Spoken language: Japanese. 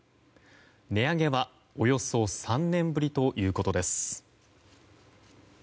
値上げはおよそ３年ぶりということです。